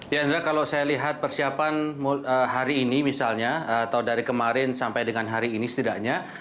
ya indra kalau saya lihat persiapan hari ini misalnya atau dari kemarin sampai dengan hari ini setidaknya